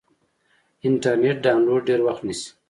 انټرنیټ ډاونلوډ ډېر وخت نیسي.